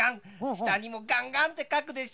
したにもガンガンってかくでしょ。